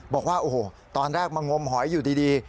บอกว่าโอ้โหตอนแรกมางมหอยอยู่ดี